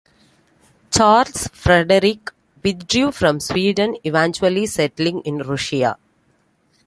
Charles Frederick withdrew from Sweden, eventually settling in Russia.